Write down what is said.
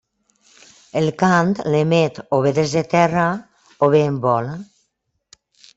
El cant, l'emet o bé des de terra, o bé en vol.